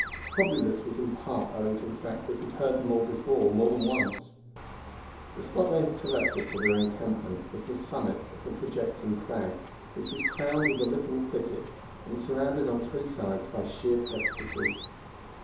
Probably this was in part owing to the fact that he had heard them all before more than once. The spot they had selected for their encampment was the summit of a projecting crag, which was crowned with a little thicket, and surrounded on three sides by sheer precipices.